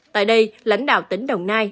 tại đây lãnh đạo tỉ đồng nai